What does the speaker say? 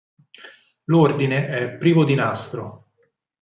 L'ordine è privo di nastro.